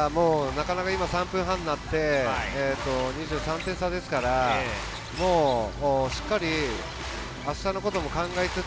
なかなか３分半になって、２３点差ですから、明日のことも考えつつ。